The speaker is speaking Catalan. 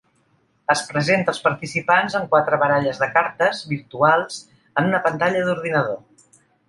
Es presenta als participants amb quatre baralles de cartes virtuals en una pantalla d'un ordinador.